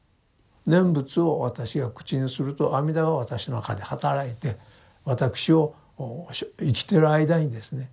念仏を私が口にすると阿弥陀が私の中ではたらいて私を生きてる間にですね